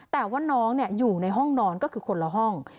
แต่ว่าน้องอยู่ในห้องนอนก็คือคนละห้อง